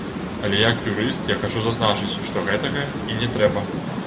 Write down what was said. Але як юрыст я хачу зазначыць, што гэтага і не трэба.